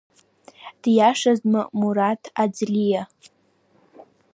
Диашазма Мураҭ Аӡлиа?